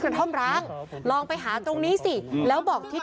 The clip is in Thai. เพื่อนบ้านเจ้าหน้าที่อำรวจกู้ภัย